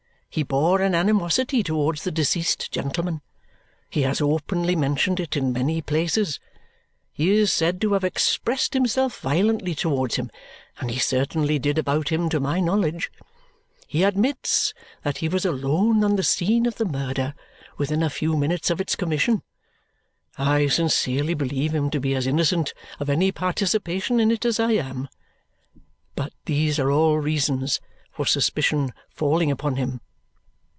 He bore an animosity towards the deceased gentleman. He has openly mentioned it in many places. He is said to have expressed himself violently towards him, and he certainly did about him, to my knowledge. He admits that he was alone on the scene of the murder within a few minutes of its commission. I sincerely believe him to be as innocent of any participation in it as I am, but these are all reasons for suspicion falling upon him."